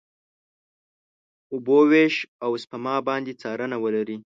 اوبو وېش، او سپما باندې څارنه ولري.